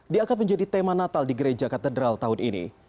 diangkat menjadi tema natal di gereja katedral tahun ini